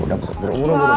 udah mulut udah mulut